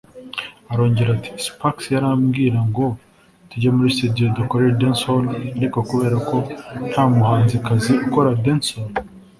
Arongera ati “Spaxx yarambwira ngo tujye muri studio dukore Dancehall ariko kubera ko nta muhanzikazi ukora Dancehall